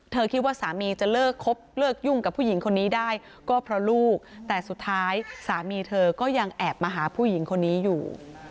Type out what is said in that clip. คิดว่าสามีจะเลิกคบเลิกยุ่งกับผู้หญิงคนนี้ได้ก็เพราะลูกแต่สุดท้ายสามีเธอก็ยังแอบมาหาผู้หญิงคนนี้อยู่